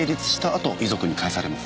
あと遺族に返されます。